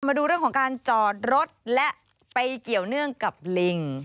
มาดูเรื่องของการจอดรถและไปเกี่ยวเนื่องกับลิง